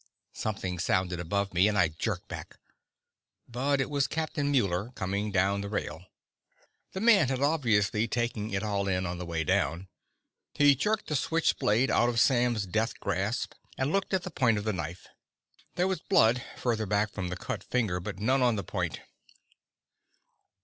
Something sounded above me, and I jerked back. But it was Captain Muller, coming down the rail. The man had obviously taken it all in on the way down. He jerked the switch blade out of Sam's dead grasp and looked at the point of the knife. There was blood further back from the cut finger, but none on the point.